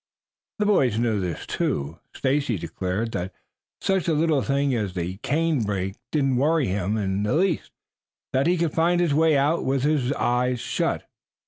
The boys knew this, too. Stacy declared that such a little thing as the canebrake didn't worry him in the least; that he could find his way out with his eyes shut.